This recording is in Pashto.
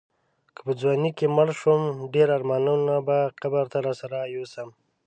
که په ځوانۍ کې مړ شوم ډېر ارمانونه به قبر ته راسره یوسم.